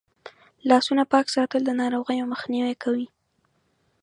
لاسونه پاک ساتل د ناروغیو مخنیوی کوي.